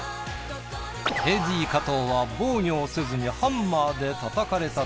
ＡＤ加藤は防御をせずにハンマーで叩かれたため。